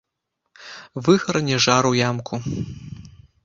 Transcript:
Выгарне жар у ямку.